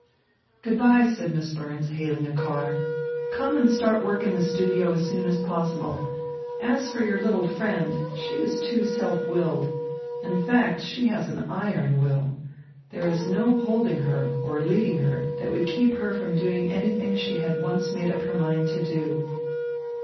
"Good bye," said Miss Burns, hailing a car. "Come and start work in the studio as soon as possible. As for your little friend, she is too self willed. In fact, she has an iron will. There is no holding her, or leading her, that would keep her from doing anything she had once made up her mind to do."